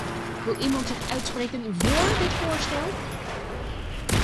Wil iemand zich uitspreken vóór dit voorstel?